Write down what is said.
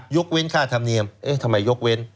ยกเว้นค่าธรรมเนียมเอ๊ะทำไมยกเว้น